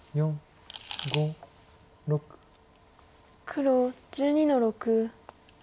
黒１２の六。